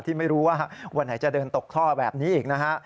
ที่ไม่รู้ว่าวันไหนจะเดินตกท่อแบบนี้อีกนะฮะ